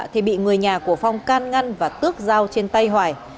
thì bị người nhà của phong can ngăn và tước dao trên tay hoài